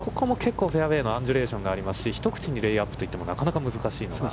ただ、ここもフェアウェイのアンジュレーションがありますし、一口にレイアップと言っても難しいところが。